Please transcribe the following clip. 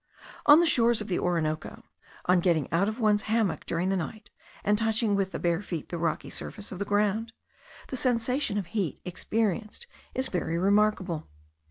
On the shores of the Orinoco, on getting out of one's hammock during the night, and touching with the bare feet the rocky surface of the ground, the sensation of heat experienced is very remarkable.